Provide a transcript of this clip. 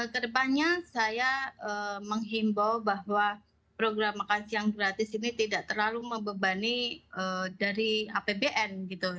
kedepannya saya menghimbau bahwa program makanan siang gratis ini tidak terlalu mebebani dari apbn